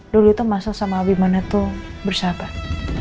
dulu itu masal sama abimane itu bersahabat